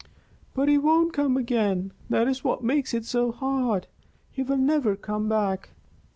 "But he won't come again. That is what makes it so hard; he will never come back."